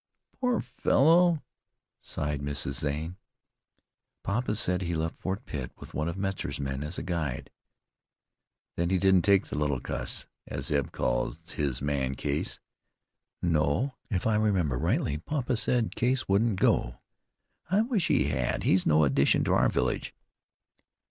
"Poor fellow!" sighed Mrs. Zane. "Papa said he left Fort Pitt with one of Metzar's men as a guide." "Then he didn't take the 'little cuss,' as Eb calls his man Case?" "No, if I remember rightly papa said Case wouldn't go." "I wish he had. He's no addition to our village."